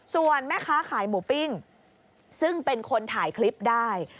ส่วนแม่ค้าขายหมูปิ้งซึ่งเป็นคนถ่ายคลิปได้